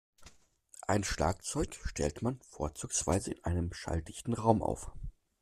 Ein Schlagzeug stellt man vorzugsweise in einem schalldichten Raum auf.